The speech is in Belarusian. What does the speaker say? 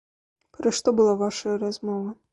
Пра што была вашая размова?